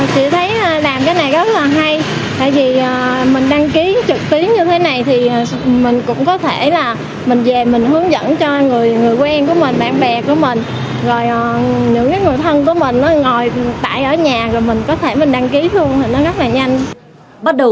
chị thấy làm cái này rất là hay tại vì mình đăng ký trực tiến như thế này thì mình cũng có thể là mình về mình hướng dẫn cho người quen của mình bạn bè của mình